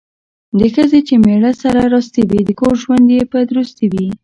د ښځې چې میړه سره راستي وي ،د کور ژوند یې په درستي وي.